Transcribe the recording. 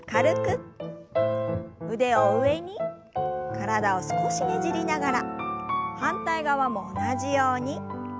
体を少しねじりながら反対側も同じように。